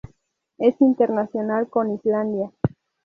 Es internacional con Islandia.